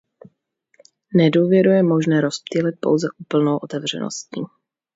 Nedůvěru je možné rozptýlit pouze úplnou otevřeností.